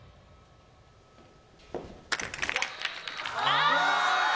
あ！